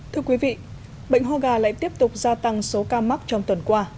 thưa quý vị bệnh hô gà lại tiếp tục gia tăng số ca mắc trong tuần qua